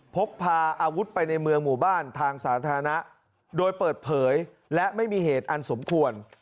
พกพาอาวุธไปในเมืองหมู่บ้านทางสาธารณะโดยเปิดเผยและไม่มีเหตุอันสมควร